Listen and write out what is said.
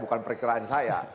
bukan kepercayaan saya